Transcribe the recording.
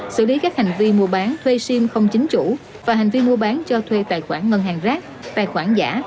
xử lý các hành vi mua bán thuê sim không chính chủ và hành vi mua bán cho thuê tài khoản ngân hàng rác tài khoản giả